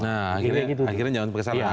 nah akhirnya jangan berkesan lah